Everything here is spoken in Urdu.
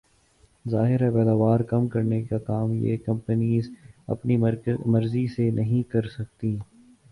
ظاہر ہے پیداوار کم کرنے کا کام یہ کمپنیز اپنی مرضی سے نہیں کر سکتیں